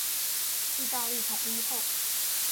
義大利統一後